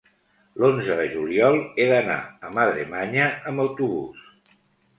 l'onze de juliol he d'anar a Madremanya amb autobús.